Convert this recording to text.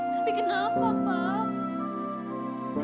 tapi kenapa papa